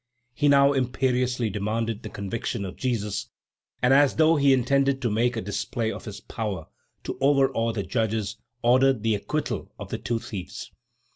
He now imperiously demanded the conviction of Jesus, and, as though he intended to make a display of his power, to overawe the judges, ordered the acquittal of the two thieves.